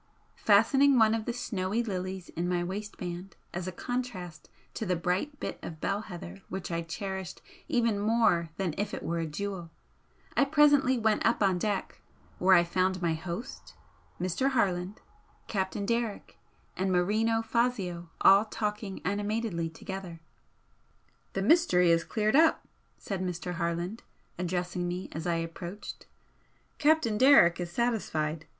Fastening one of the snowy lilies in my waistband, as a contrast to the bright bit of bell heather which I cherished even more than if it were a jewel, I presently went up on deck, where I found my host, Mr. Harland, Captain Derrick and Marino Fazio all talking animatedly together. "The mystery is cleared up," said Mr. Harland, addressing me as I approached "Captain Derrick is satisfied.